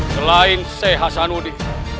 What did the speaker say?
selain saya hasan udi